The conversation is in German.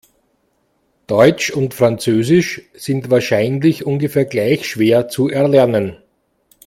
Deutsch und Französisch sind wahrscheinlich ungefähr gleich schwer zu erlernen.